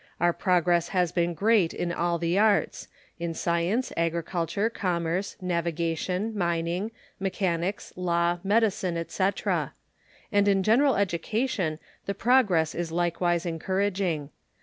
Our progress has been great in all the arts in science, agriculture, commerce, navigation, mining, mechanics, law, medicine, etc,: and in general education the progress is likewise encouraging.